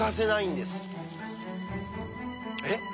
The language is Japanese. えっ？